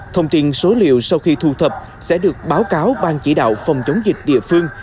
thông tin số liệu sau khi thu thập sẽ được báo cáo ban chỉ đạo phòng chống dịch địa phương